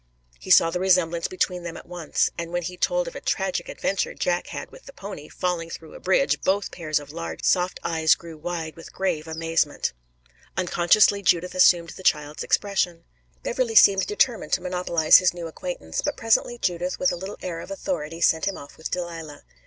He saw the resemblance between them at once, and when he told of a tragic adventure Jack had with the pony, falling through a bridge, both pairs of large, soft eyes grew wide with grave amazement. Unconsciously Judith assumed the child's expression. Beverley seemed determined to monopolize his new acquaintance, but presently Judith with a little air of authority sent him off with Delilah.